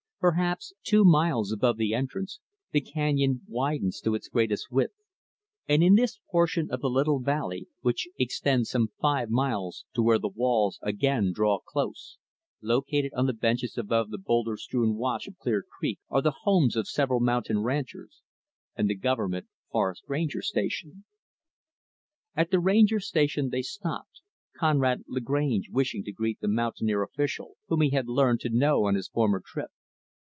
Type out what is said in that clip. Perhaps two miles above the entrance the canyon widens to its greatest width; and in this portion of the little valley, which extends some five miles to where the walls again draw close, located on the benches above the boulder strewn wash of Clear Creek, are the homes of several mountain ranchers, and the Government Forest Ranger Station. At the Ranger Station, they stopped Conrad Lagrange wishing to greet the mountaineer official, whom he had learned to know on his former trip.